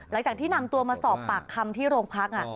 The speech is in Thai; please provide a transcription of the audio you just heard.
หลังจากที่นำตัวมาสอบปากคำที่โรงพัก